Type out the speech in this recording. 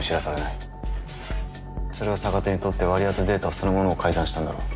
それを逆手に取って割り当てデータそのものを改ざんしたんだろう。